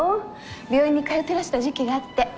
病院に通ってらした時期があって。